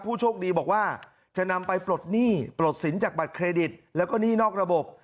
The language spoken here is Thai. ผู้โชคดีบอกว่าจะนำไปปลดหนี้ปลดสินจากบัตรเครดิตแล้วก็หนี้นอกระบบ